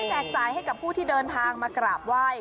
เอาไว้แก่จ่ายให้กับผู้ที่เดินทางมากราบไหว้